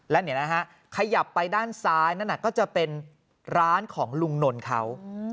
แล้วเนี่ยนะฮะขยับไปด้านซ้ายนั่นก็จะเป็นร้านของลุงนนท์เขา